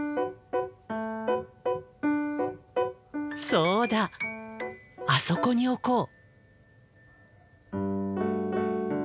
そうだあそこに置こう。